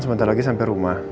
sementara lagi sampai rumah